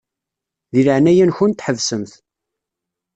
Di leɛnaya-nkent ḥebsemt.